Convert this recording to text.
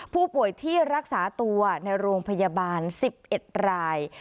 ผู้ป่วยที่รักษาตัวในโรงพยาบาล๑๑ราย